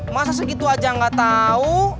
masa segitu aja gak tau